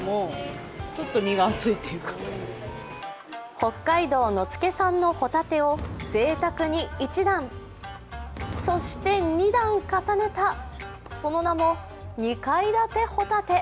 北海道・野付産のほたてをぜいたくに１段、そして２段重ねたその名も二階建てほたて。